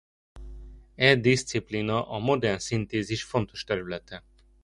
E diszciplína a modern szintézis fontos területe.